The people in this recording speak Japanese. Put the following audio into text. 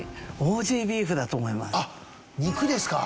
あっ肉ですか。